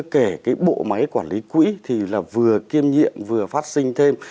mỗi mấy quản lý quỹ thì là vừa kiêm nhiệm vừa phát sinh thêm